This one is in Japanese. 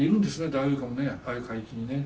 ダイオウイカもねああいう海域にね。